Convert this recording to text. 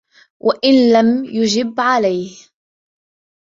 وَإِنْ لَمْ يَجِبْ عَلَيْهِ